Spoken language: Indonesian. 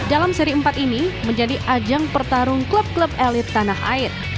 dalam seri empat ini menjadi ajang pertarung klub klub elit tanah air